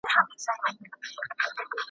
جنګ څخه مخکي د غلامانو په توګه `